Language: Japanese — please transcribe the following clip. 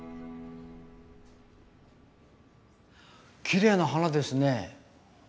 きれいな花ですね。